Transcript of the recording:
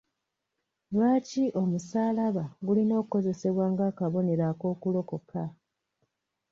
Lwaki omusaalabba gulina okukozesebwa ng'akabonero k'okulokoka?